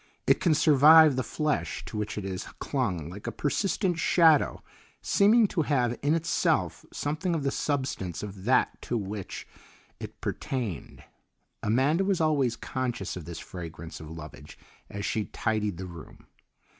It can survive the flesh to which it has clung like a persistent shadow, seeming to have in itself something of the substance of that to which it pertained. Amanda was always conscious of this fragrance of lovage as she tidied the room.